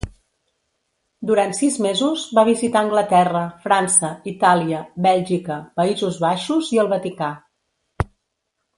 Durant sis mesos va visitar Anglaterra, França, Itàlia, Bèlgica, Països Baixos i el Vaticà.